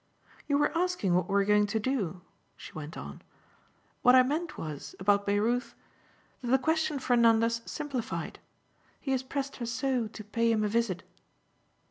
"You were asking what we're going to do," she went on. "What I meant was about Baireuth that the question for Nanda's simplified. He has pressed her so to pay him a visit."